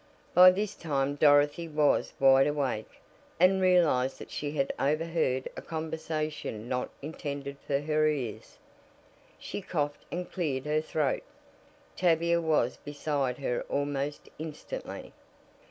By this time Dorothy was wide awake, and realized that she had overheard a conversation not intended for her ears. She coughed and cleared her throat. Tavia was beside her almost instantly.